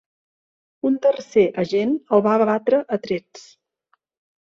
Un tercer agent el va abatre a trets.